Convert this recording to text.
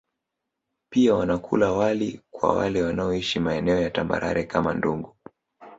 Pia wanakula wali kwa wale wanaoishi maeneo ya tambarare kama Ndungu